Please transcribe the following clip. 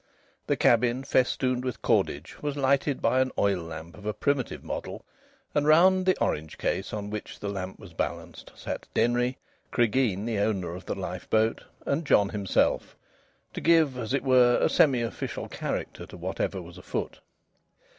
The cabin, festooned with cordage, was lighted by an oil lamp of a primitive model, and round the orange case on which the lamp was balanced sat Denry, Cregeen, the owner of the lifeboat, and John himself (to give, as it were, a semi official character to whatever was afoot).